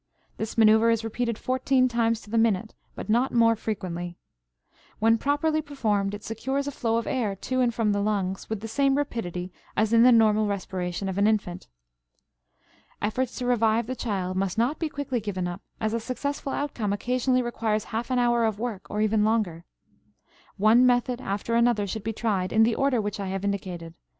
This maneuver is repeated fourteen times to the minute, but not more frequently. When properly performed it secures a flow of air to and from the lungs with the same rapidity as in the normal respiration of an infant. Efforts to revive the child must not be quickly given up, as a successful outcome occasionally requires half an hour of work or even longer. One method after another should be tried in the order which I have indicated.